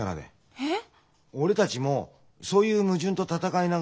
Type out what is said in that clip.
えっ？